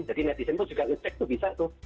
jadi netizen itu juga ngecek tuh bisa tuh